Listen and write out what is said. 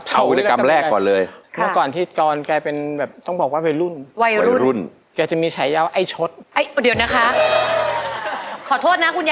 เอาวีรกรรมแรกก่อนเลยค่ะ